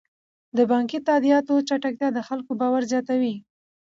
د بانکي تادیاتو چټکتیا د خلکو باور زیاتوي.